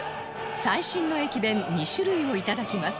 最新の駅弁２種類をいただきます